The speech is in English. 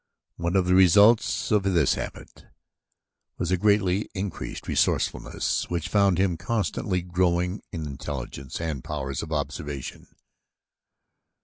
One of the results of this habit was a greatly increased resourcefulness which found him constantly growing in intelligence and powers of observation.